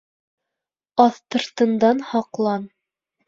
Аҫтыртындан һаҡлан.